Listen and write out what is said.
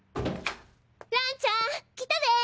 蘭ちゃん来たで！